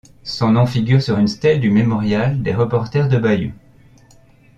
Son nom figure sur une stèle du mémorial des reporters de Bayeux.